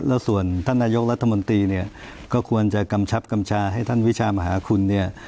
แล้วส่วนท่านนายกรัฐมนตรีเนี่ยก็ควรจะกำชับกำชาให้ท่านวิชามหาคุณเนี่ย